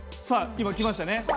今来ましたね。